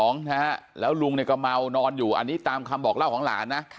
แล้วลุงเนี่ยก็เมานอนอยู่อันนี้ตามคำบอกเล่าของหลานนะ